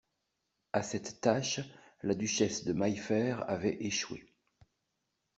A cette tâche, la duchesse de Maillefert avait échoué.